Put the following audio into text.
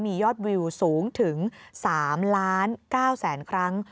มียอดวิวสูงถึง๓ล้าน๙แสนครั้ง